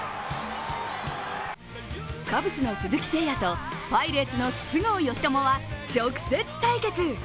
カブスの鈴木誠也とパイレーツの筒香嘉智は直接対決。